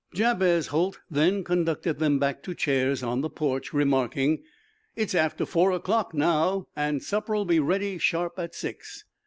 Jabez Holt then conducted them back to chairs on the porch, remarking: "It's after four o'clock now, and supper'll be ready sharp at six."